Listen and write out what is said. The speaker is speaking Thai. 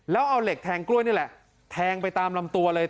แล้วเอาเหล็กแทงกล้วยนี่แหละแทงไปตามลำตัวเลย